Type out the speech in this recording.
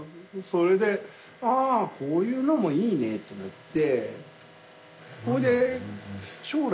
それであこういうのもいいねと思って。